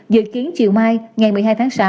dự kiến chiều mai ngày một mươi hai tháng sáu